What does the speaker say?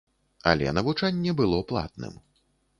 Але навучанне было платным.